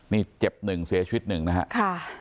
นี่เจ็บหนึ่งเสียชีวิตหนึ่งนะครับ